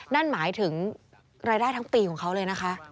นั่นหมายถึงรายได้ทั้งปีของเขาเลยนะคะ